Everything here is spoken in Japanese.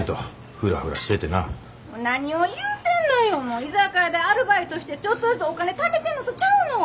居酒屋でアルバイトしてちょっとずつお金ためてんのとちゃうの。